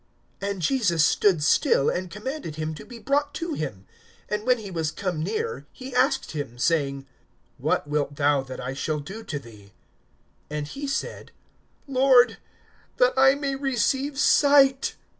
(40)And Jesus stood still, and commanded him to be brought to him. And when he was come near, he asked him, (41)saying: What wilt thou that I shall do to thee? And he said: Lord, that I may receive sight.